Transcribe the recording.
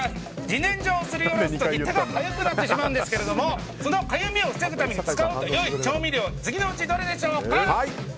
自然薯をすりおろすと手がかゆくなってしまうんですがそのかゆみを防ぐために使うといい調味料は次のうちどれでしょうか。